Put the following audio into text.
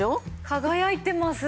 輝いてます。